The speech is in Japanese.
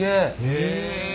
へえ！